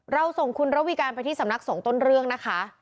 เราส่งคุณระวีการไปที่สำนักสงต้นเรื่องนะคะ